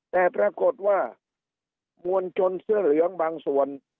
แต่ปรากฏว่ามวลชนเสื้อเหลืองบางส่วน